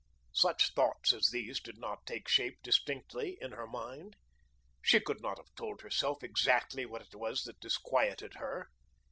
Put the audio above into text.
Such thoughts as these did not take shape distinctly in her mind. She could not have told herself exactly what it was that disquieted her.